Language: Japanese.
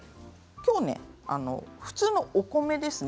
今日は普通のお米ですね。